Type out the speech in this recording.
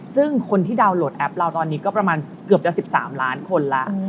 ซึ่งคนที่ดาวนโหลดแอปเราตอนนี้ก็ประมาณเกือบจะ๑๓ล้านคนแล้ว